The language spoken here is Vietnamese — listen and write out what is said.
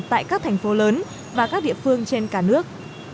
tại các thành phố lớn và các địa phương trên cả nước